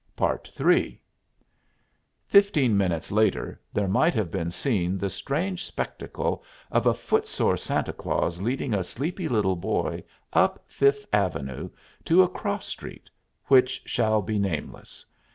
_" III Fifteen minutes later, there might have been seen the strange spectacle of a foot sore Santa Claus leading a sleepy little boy up Fifth Avenue to a cross street, which shall be nameless.